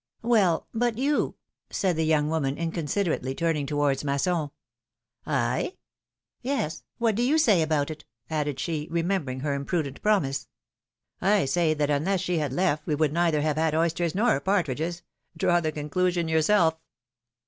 ^^ Well ! but you said the young woman, inconsider ately, turning towards Masson. ai?^> Yes; what do you say about it?'' added she, remem bering her imprudent promise. I say that unless she had left we would neither have had oysters nor partridges — draw the conclusion yourself."